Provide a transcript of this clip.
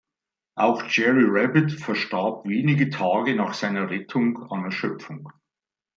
Auch Jerry Rabbit verstarb wenige Tage nach seiner Rettung an Erschöpfung.